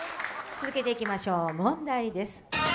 続けていきましょう、問題です。